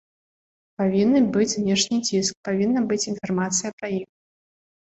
Павінны быць знешні ціск, павінна быць інфармацыя пра іх.